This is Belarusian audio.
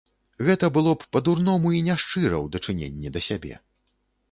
Гэта было б па-дурному і няшчыра ў дачыненні да сябе.